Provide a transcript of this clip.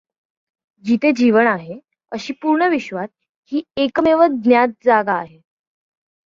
जिथे जीवन आहे, अशी पूर्ण विश्वात ही एकमेव ज्ञात जागा आहे.